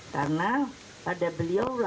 karena pada beliau